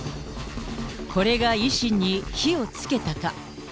これが維新に火をつけたか。